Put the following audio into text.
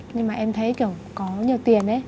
nhưng mà em thấy kiểu có nhiều tiền ấy